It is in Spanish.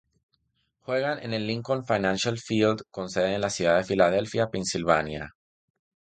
Juegan en el Lincoln Financial Field con sede en la ciudad de Philadelphia, Pennsylvania.